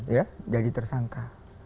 ya jadi tersangka